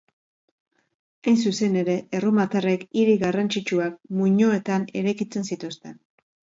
Hain zuzen ere, erromatarrek hiri garrantzitsuak muinoetan eraikitzen zituzten.